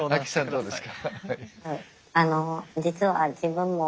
どうですか？